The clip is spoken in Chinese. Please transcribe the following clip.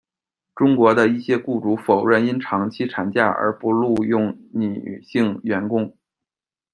中国的一些雇主否认因长期产假而不录用女性员工。